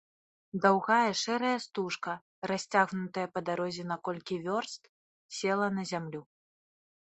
Даўгая шэрая стужка, расцягнутая па дарозе на колькі вёрст, села на зямлю.